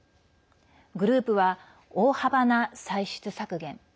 グループは大幅な歳出削減